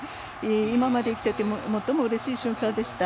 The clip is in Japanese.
今まで生きていて最もうれしい瞬間でした。